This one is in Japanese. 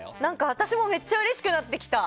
私もめっちゃうれしくなってきた。